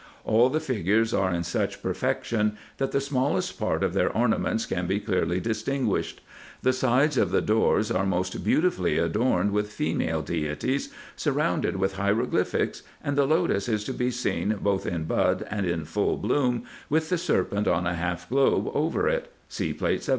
All the figures are in such perfection, that the smallest part of their orna ments can be clearly distinguished. The sides of the doors are most beautifully adorned with female deities, surrounded with hiero glyphics, and the lotus is to be seen both in bud and in full bloom, with the serpent on a half globe over it (See Plate 17).